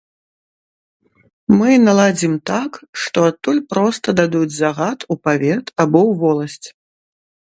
Мы наладзім так, што адтуль проста дадуць загад у павет або ў воласць.